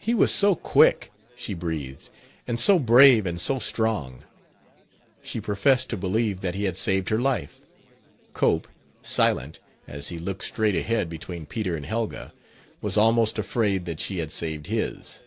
"He was so quick," she breathed, "and so brave, and so strong." She professed to believe that he had saved her life. Cope, silent as he looked straight ahead between Peter and Helga, was almost afraid that she had saved his.